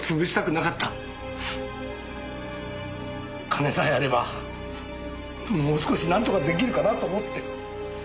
金さえあればもう少しなんとか出来るかなと思って。